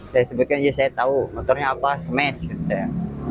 saya sebutkan ya saya tau motornya apa smash yang itu ya